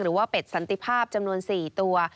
หรือว่าเป็ดสันติภาพจำนวน๔ตัว